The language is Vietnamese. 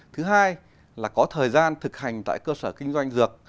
thứ hai là có thời gian thực hành tại cơ sở kinh doanh dược